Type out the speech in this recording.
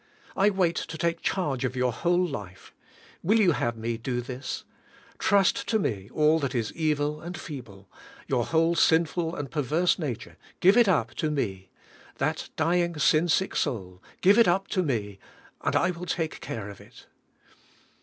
"I Vv'ait to take charge of your whole life. Will you have me do this? Trust to me all that is evil and feeble; 3^our whole sinful and perverse nature — give it up to Me ; that dying, sin sick soul — give it up to Me, and I will take care of it."